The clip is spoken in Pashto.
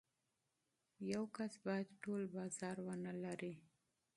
یو کس باید ټول بازار ونلري.